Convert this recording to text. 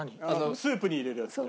スープに入れるやつでしょ。